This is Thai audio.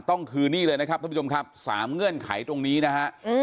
นี่คือนี่เลยนะครับท่านผู้ชมครับ๓เงื่อนไขตรงนี้นะฮะ